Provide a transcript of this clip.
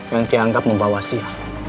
yang dianggap membawa sial